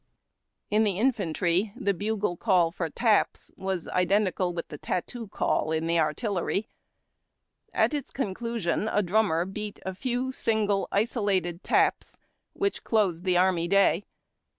■1 11 In the infantry, the bugle call for Taps was identical with the Tattoo call in artillery. At its conclusion a drummer beat a few single, isolated taps, which closed the army day.